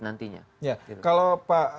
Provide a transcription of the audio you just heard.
nantinya kalau pak